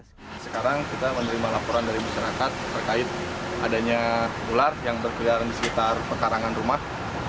sekarang kita menerima laporan dari masyarakat terkait adanya ular yang berkeliaran di sekitar pekarangan rumah